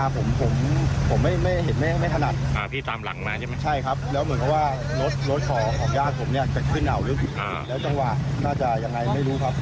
คนเห็นเหตุการณ์ครับ